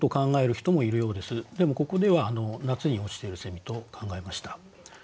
でもここでは夏に落ちていると考えました。